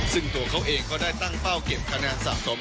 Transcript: ซึ่งตัวเขาเองก็ได้ตั้งเป้าเก็บคะแนนสะสม